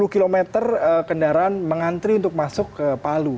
kondisi penjaraan mengantri untuk masuk ke palu